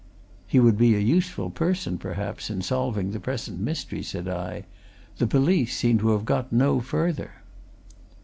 "He would be a useful person, perhaps, in solving the present mystery," said I. "The police seem to have got no further."